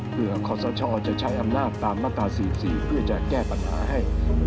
เพื่อขอสชจะใช้อำนาจตามมาตรา๔๔เพื่อจะแก้ปัญหาให้